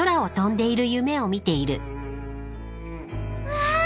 わあ！